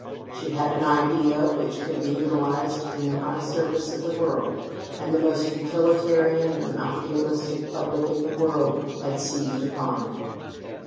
She had had an Idea which could be utilized in the high service of the world, and the most utilitarian and idealistic public in the world had seized upon it.